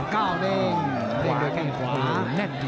ก้าวเด้งเด้งด้วยแค่งขวา